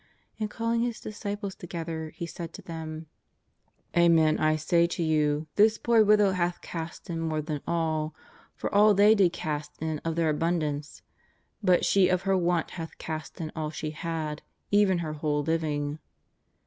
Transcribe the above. And, calling His disciples together, He said to them : "Amen, I say to you this poor widow hath cast in more than all. For all they did cast in of their abun dance, but she of her want hath cast in all she had, even her whole living.''